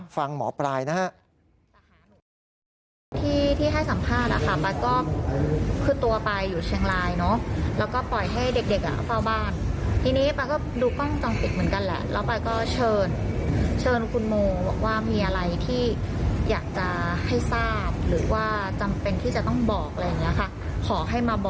ฟังหมอปรายนะครับ